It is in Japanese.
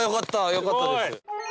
よかったです。